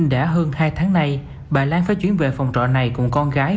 đã hơn hai tháng nay bà lan phải chuyển về phòng trọ này cùng con gái